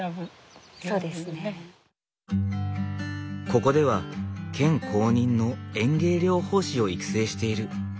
ここでは県公認の園芸療法士を育成している。